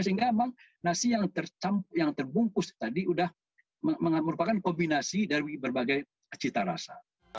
sehingga memang nasi yang terbungkus tadi sudah merupakan kombinasi dari berbagai cita rasa